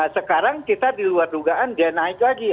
sekarang kita diluar dugaan dia naik lagi